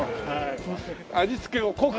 味付けを濃く。